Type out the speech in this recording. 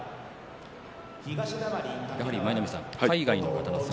舞の海さん、海外の方の姿